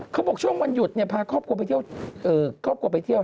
เขาบอกช่วงวันหยุดพาครอบครัวไปเที่ยว